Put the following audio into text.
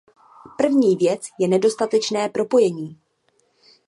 První věc je nedostatečné propojení.